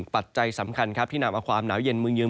ปัจจัยสำคัญครับที่นำเอาความหนาวเย็นเมืองเยือ